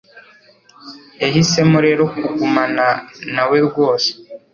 Yahisemo rero kugumana nawe rwose